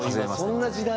そんな時代？